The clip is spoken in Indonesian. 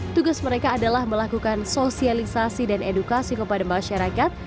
tugas mereka adalah melakukan sosialisasi dan edukasi kepada masyarakat